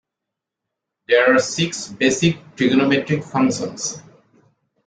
There are six basic trigonometric functions.